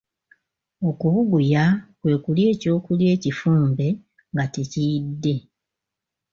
Okubuguya kwe kulya ekyokulya ekifumbe nga tekiyidde.